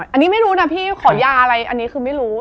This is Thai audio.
อันนี้ไม่รู้นะพี่ขอยาอะไรอันนี้คือไม่รู้